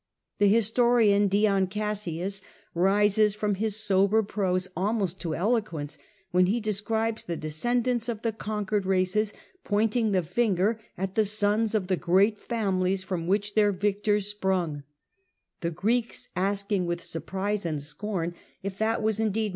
The his torian Dion Cassius rises from his sober prose almost to eloquence when he describes the descendants of the conquered races pointing the finger at the sons of the great families from which their victors sprung; the Greeks asking with surprise and scorn if that was indeed A.D.